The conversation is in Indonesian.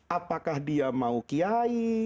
apakah dia mau kiai